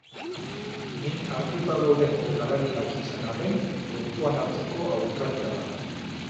Min hartuta dauden jokalariak izan arren kontuan hartzeko aurkaria da.